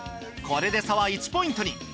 これで差は１ポイントに。